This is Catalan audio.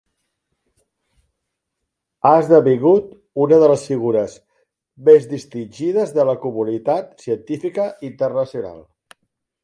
Ha esdevingut una de les figures més distingides de la comunitat científica internacional.